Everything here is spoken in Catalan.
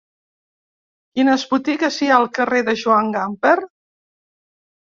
Quines botigues hi ha al carrer de Joan Gamper?